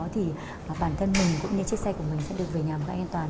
thì bản thân mình cũng như chiếc xe của mình sẽ được về nhà một cách an toàn